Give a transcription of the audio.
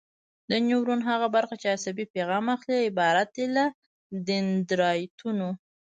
د نیورون هغه برخه چې عصبي پیغام اخلي عبارت دی له دندرایتونو.